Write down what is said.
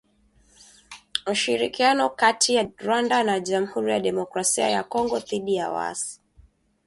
Ushirikiano kati ya Rwanda na Jamuhuri ya Demokrasia ya Kongo dhidi ya waasi